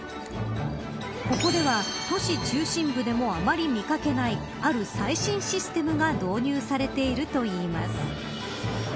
ここでは都市中心部でもあまり見掛けないある最新システムが導入されているといいます。